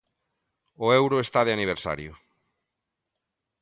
O euro está de aniversario.